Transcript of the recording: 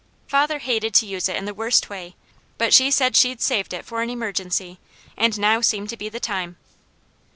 Father hated to use it the worst way, but she said she'd saved it for an emergency, and now seemed to be the time.